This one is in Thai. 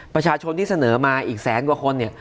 ประชาชนที่เสนอมาอีกแสนกว่าคนเนี่ย